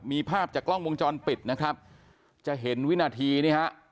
มีภาพจากกล้องวงจรปิดนะครับจะเห็นวินาทีนี่ฮะ